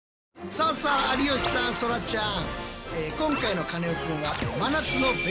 さあさあ有吉さんそらちゃん。